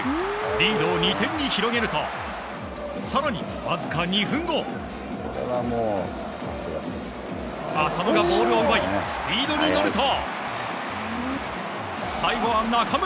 リードを２点に広げると更に、わずか２分後浅野がボールを奪いスピードに乗ると最後は中村！